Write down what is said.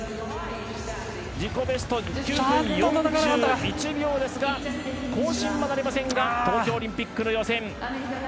ベスト９分４１秒で更新はなりませんが、東京オリンピックの予選。